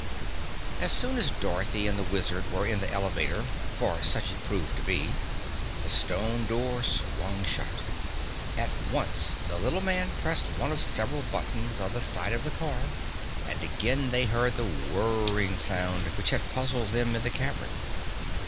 As soon as Dorothy and the Wizard were in the elevator for such it proved to be the stone door swung shut. At once the little man pressed one of several buttons on the side of the car and again they heard the whirring sound which had puzzled them in the cavern.